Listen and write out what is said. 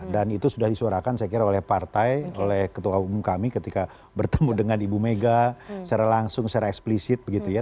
dan itu sudah disuarakan saya kira oleh partai oleh ketua umum kami ketika bertemu dengan ibu mega secara langsung secara eksplisit begitu ya